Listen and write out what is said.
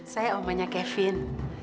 saya omanya kevin